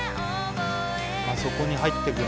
あそこに入ってく。